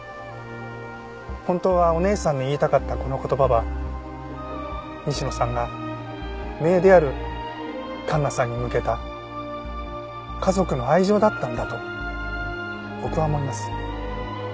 本当はお姉さんに言いたかったこの言葉は西野さんが姪である環奈さんに向けた家族の愛情だったんだと僕は思います。